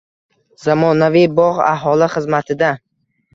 Zamonaviy bog‘ aholi xizmatida